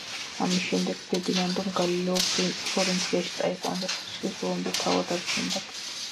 ამის შემდეგ, ფერდინანდომ გალილეო ფლორენციაში წაიყვანა და სიცოცხლის ბოლომდე თავად არჩენდა.